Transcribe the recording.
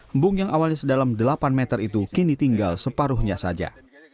embung yang awalnya sedalam delapan meter itu kini tinggal separuhnya saja